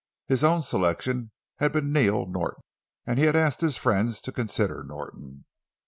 His own selection had been Neil Norton, and he had asked his friends to consider Norton.